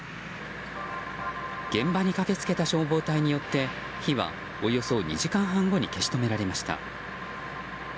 現場に駆け付けた消防隊によって火はおよそ２時間半後に消し止められました。